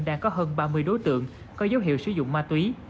đang có hơn ba mươi đối tượng có dấu hiệu sử dụng ma túy